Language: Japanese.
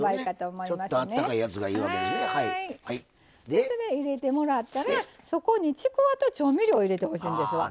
それ入れてもらったらそこにちくわと調味料を入れてほしいんですわ。